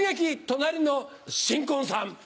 隣の新婚さん」。